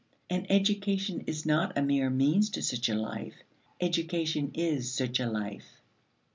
And education is not a mere means to such a life. Education is such a life.